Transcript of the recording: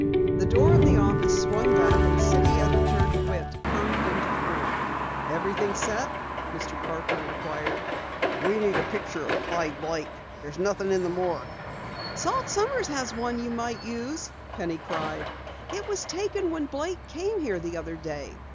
The door of the office swung back and City Editor DeWitt hurried into the room. "Everything set?" Mr. Parker inquired. "We need a picture of Clyde Blake. There's nothing in the morgue." "Salt Sommers has one you might use!" Penny cried. "It was taken when Blake came here the other day.